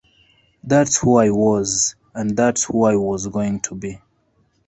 That's who I was, and that's who I was going to be.